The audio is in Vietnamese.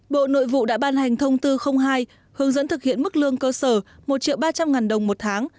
bộ nội vụ đã ban hành thông tư hai hướng dẫn thực hiện mức lương cơ sở một ba trăm linh ngàn đồng một tháng